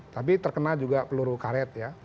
tapi terkena juga peluru karet ya